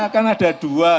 kan ada dua